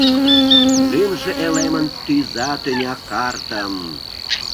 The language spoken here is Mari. Лӱмжӧ элемын тӱза тӱня картым!